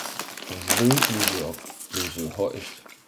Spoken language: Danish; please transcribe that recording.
hans Ved blussede op, blussede høiest.